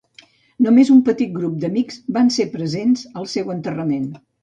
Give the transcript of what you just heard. Només un petit grup d'amics van ser presents al seu enterrament.